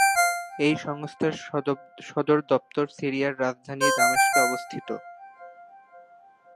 এই সংস্থার সদর দপ্তর সিরিয়ার রাজধানী দামেস্কে অবস্থিত।